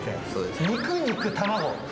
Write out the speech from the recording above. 肉、肉、卵。